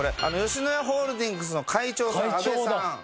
野家ホールディングスの会長さん安部さん。